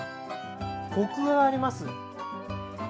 コクがあります。